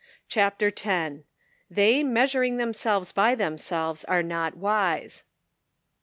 CHAPTER X. "THEY MEASURING THEMSELVES BY THEM SELVES ABE NOT WISE."